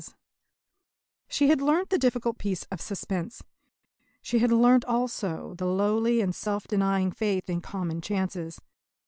She had learnt the difficult peace of suspense. She had learnt also the lowly and self denying faith in common chances.